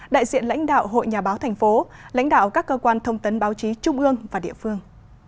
đại diện lãnh đạo hội nhà báo thành phố lãnh đạo các cơ quan thông tấn báo chí trung ương và địa phương